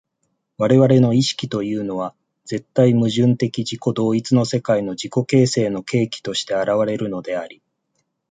我々の意識というのは絶対矛盾的自己同一の世界の自己形成の契機として現れるのであり、